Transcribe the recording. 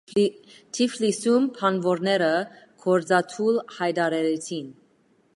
Թիֆլիսում բանվորները գործադուլ հայտարարեցին։